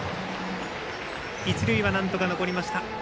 一塁はなんとか残りました。